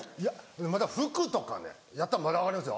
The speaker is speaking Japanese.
まだ服とかやったらまだ分かりますよ。